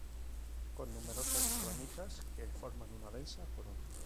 Con numerosas ramitas que forman una densa corona.